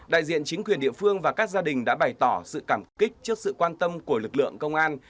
đại diện chính quyền địa phương và các gia đình đã bày tỏ sự cảm kích trước sự quan tâm của lực lượng công an